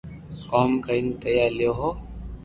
ڪوم ڪرين پيا ليو ھون